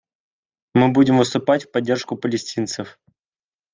Мы будем выступать в поддержку палестинцев.